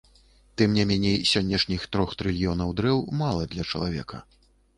Тым не меней, сённяшніх трох трыльёнаў дрэў мала для чалавека.